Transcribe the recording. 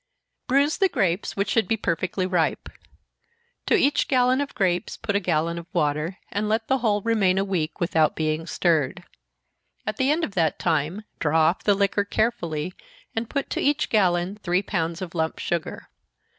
_ Bruise the grapes, which should be perfectly ripe. To each gallon of grapes put a gallon of water, and let the whole remain a week, without being stirred. At the end of that time, draw off the liquor carefully, and put to each gallon three pounds of lump sugar.